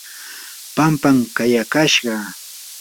pampam kayakashqa.